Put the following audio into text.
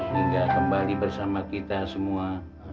hingga kembali bersama kita semua